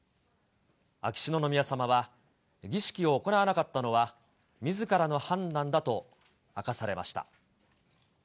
秋篠宮さまは、儀式を行わなかったのは、みずからの判断だと明かされました。